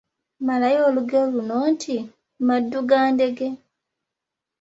Malayo olugero luno nti: Maddu ga ddenge,……